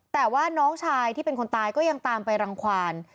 แต่ว่าน้องชายที่เป็นคนตายก็ยังตามไปรังความ